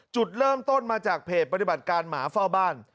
จุดเริ่มต้นมาจากเพจปฏิบัติการหมาเฝ้าบ้าน